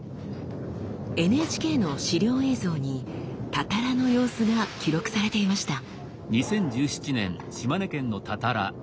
ＮＨＫの資料映像に「たたら」の様子が記録されていました。